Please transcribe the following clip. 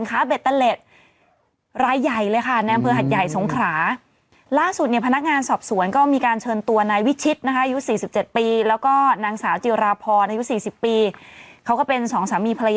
เขาไปเที่ยวป่าอเมริสอนแล้วก็ถ่ายมาให้ดูอ่ะอืมมันจะมีแม่น้ำอเมริสอนใช่ไหม